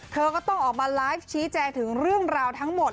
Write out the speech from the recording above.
เธอก็ต้องออกมาไลฟ์ชี้แจงถึงเรื่องราวทั้งหมด